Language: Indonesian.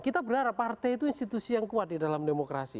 kita berharap partai itu institusi yang kuat di dalam demokrasi